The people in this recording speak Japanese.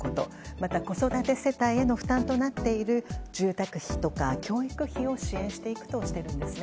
また、子育て世帯への負担となっている住宅費や教育費を支援していくとしているんですね。